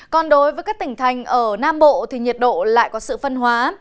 còn đối với các tỉnh thành ở nam bộ thì nhiệt độ lại có sự phân hóa